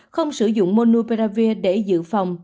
không sử dụng monopiravir để giữ phòng